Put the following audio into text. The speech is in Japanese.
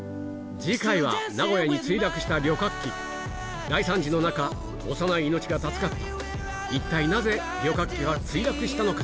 次回は名古屋に墜落した旅客機大惨事の中幼い命が助かった一体なぜ旅客機は墜落したのか？